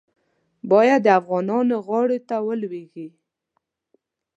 باید د افغانانو غاړې ته ولوېږي.